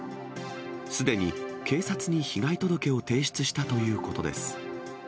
すでに警察に被害届を提出したということです。